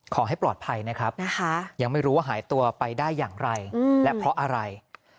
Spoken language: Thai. ขอให้ปลอดภัยนะครับยังไม่รู้ว่าหายตัวไปได้อย่างไรและเพราะอะไร